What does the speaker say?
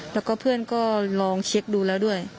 แล้วก็เพื่อนก็ลองเช็คดูแล้วด้วย